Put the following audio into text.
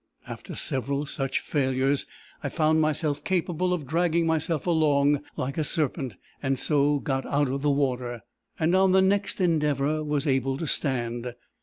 After several such failures, I found myself capable of dragging myself along like a serpent, and so got out of the water, and on the next endeavour was able to stand.